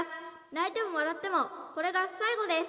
泣いても笑ってもこれが最後です